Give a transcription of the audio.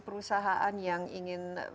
perusahaan yang ingin